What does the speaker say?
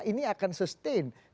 ini akan sustain